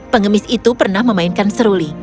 pengemis itu pernah memainkan seruli